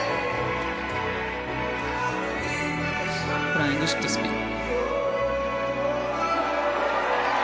フライングシットスピン。